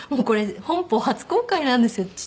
これ本邦初公開なんですよ